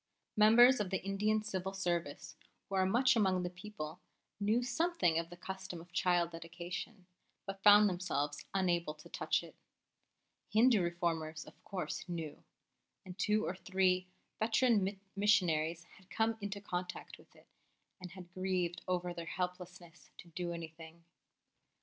Members of the Indian Civil Service, who are much among the people, knew something of the custom of child dedication, but found themselves unable to touch it. Hindu Reformers, of course, knew; and two or three veteran missionaries had come into contact with it and had grieved over their helplessness to do anything.